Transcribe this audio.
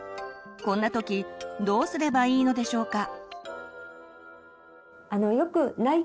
こんな時どうすればいいのでしょうか。